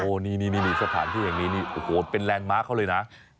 โอ้โหนี่สถานที่แห่งนี้นี่โอ้โหเป็นแลนด์มาร์คเขาเลยนะ